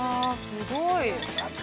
◆すごい。